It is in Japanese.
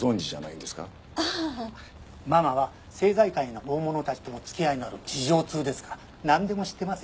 ママは政財界の大物たちとも付き合いのある事情通ですからなんでも知ってますよ。